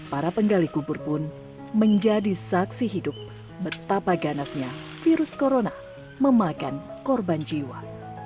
para penggali kubur pun menjadi saksi hidup betapa ganasnya virus corona memakan korban jiwa